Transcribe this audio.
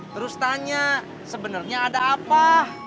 terus tanya sebenarnya ada apa